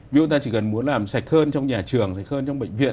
ví dụ ta chỉ cần muốn làm sạch hơn trong nhà trường sạch hơn trong bệnh viện